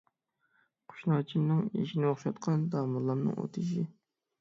قۇشناچىمنىڭ ئېشىنى ئوخشاتقان داموللامنىڭ ئوتيېشى.